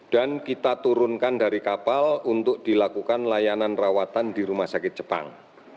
dan kita turunkan dari kapal untuk dilakukan layanan rawatan di rumah sakit jepang